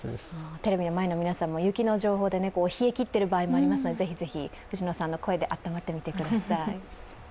テレビの前の皆さんも雪の情報で冷えきっている場合もありますのでぜひぜひ藤野さんの声であったまってください。